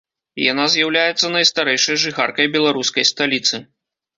Яна з'яўляецца найстарэйшай жыхаркай беларускай сталіцы.